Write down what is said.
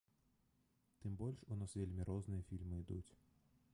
Тым больш, у нас вельмі розныя фільмы ідуць.